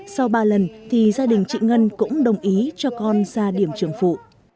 sau ba lần thì gia đình chị ngân cũng đồng ý cho con ra điểm trường phụ